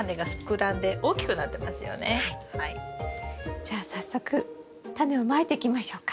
じゃあ早速タネをまいていきましょうか。